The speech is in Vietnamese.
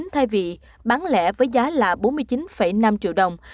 thay vì bán lẻ với giá là bốn mươi chín năm triệu đồng